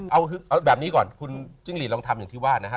เอาแบบนี้ก่อนคุณจิ้งหลีดลองทำอย่างที่ว่านะฮะ